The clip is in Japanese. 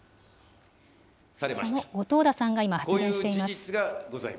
その後藤田さんが今、発言しています。